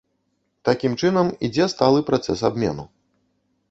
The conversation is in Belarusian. Такім чынам, ідзе сталы працэс абмену.